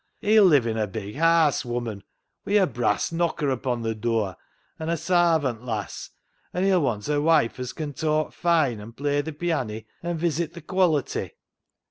He'll live in a big haase, woman, wi' a brass knocker upo' th' dur, an' a sarvant lass, an' he'll want a wife as can talk fine and play th' pianney and visit th' quality."